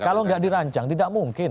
kalau nggak dirancang tidak mungkin